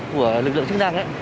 của lực lượng chức năng